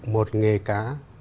một nghề cá